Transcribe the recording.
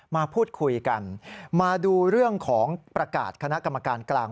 มาพูดคุยกันมาดูเรื่องของประกาศคณะกรรมการกลาง